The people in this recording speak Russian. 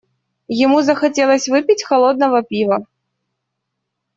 Ему захотелось выпить холодного пива.